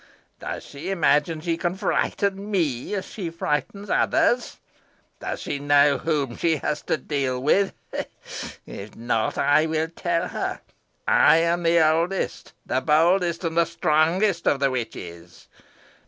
Does she imagine she can frighten me as she frightens others? Does she know whom she has to deal with? If not, I will tell her. I am the oldest, the boldest, and the strongest of the witches.